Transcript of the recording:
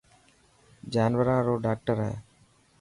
جانوران رو ڊاڪٽر هي.